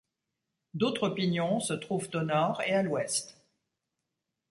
D'autres pignons se trouvent au nord et à l'ouest.